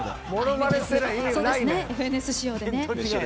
ＦＮＳ仕様でね。